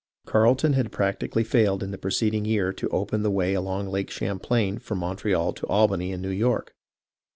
Carleton had practically failed in the preceding year to open the way along Lake Champlain from Montreal to Albany and New York.